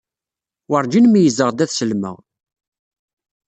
Werǧin meyyzeɣ-d ad sellmeɣ.